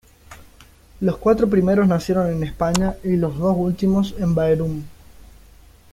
Los cuatro primeros nacieron en España, y los dos últimos en Bærum.